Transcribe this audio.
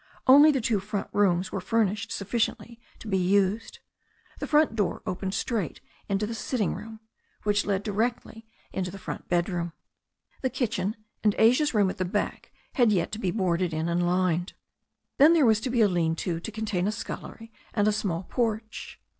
Only the two front rooms were finished sufficiently to be used. The front door opened straight into the "sitting room," which led directly into the front bedroom. The kitchen and Asia's room at the back had yet to be boarded in and lined. Then there was to be a lean to to contain a scullery and a small porch.